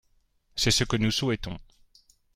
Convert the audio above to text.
C’est ce que nous souhaitons.